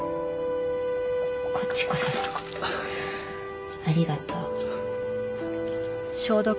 こっちこそありがとう。